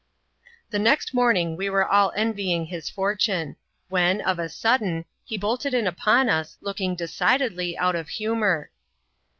Tbe next morning we were all envying his fortune ; when, of a sudden, he bolted in upon us, looking decidedly out of humour.